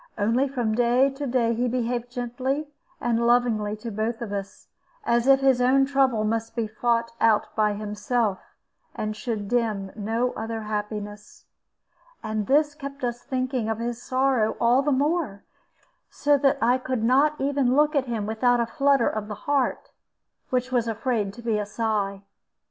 Only from day to day he behaved gently and lovingly to both of us, as if his own trouble must be fought out by himself, and should dim no other happiness. And this kept us thinking of his sorrow all the more, so that I could not even look at him without a flutter of the heart, which was afraid to be a sigh.